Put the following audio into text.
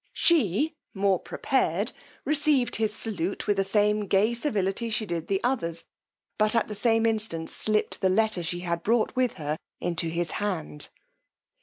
She, more prepared, received his salute with the same gay civility she did the others, but at the same instant slipped the letter she had brought with her into his hand.